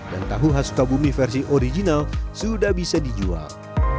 dan tahu hasuka bumi versi original sudah bisa dijual